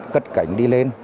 cất cảnh đi lên